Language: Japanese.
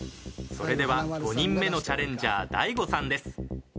それでは５人目のチャレンジャー大悟さんです。